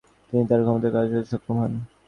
তিনি তার ক্ষমতা কার্যকর করতে সক্ষম হন।